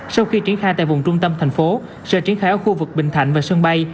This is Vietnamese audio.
sau khi triển khai tại vùng trung tâm thành phố sẽ triển khai ở khu vực bình thạnh và sân bay